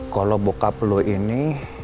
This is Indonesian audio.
kalau bokap lu ini